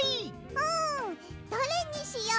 うんどれにしよう？